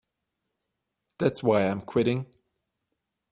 That's why I'm quitting.